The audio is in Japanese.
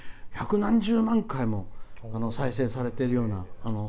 百何十万回も再生されているような